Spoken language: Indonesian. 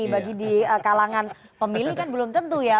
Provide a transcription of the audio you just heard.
bagi di kalangan pemilih kan belum tentu ya